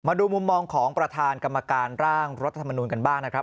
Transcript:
ดูมุมมองของประธานกรรมการร่างรัฐธรรมนูลกันบ้างนะครับ